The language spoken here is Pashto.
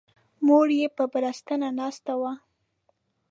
مور یې په بړستنه ناسته وه.